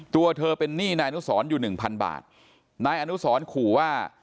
ตัวเธอเป็นหนี้นายอนุสรอยู่หนึ่งพันบาทนายอนุสรขู่ว่า